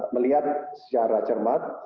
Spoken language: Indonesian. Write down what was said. melihat secara cermat